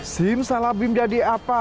sim salabim jadi apa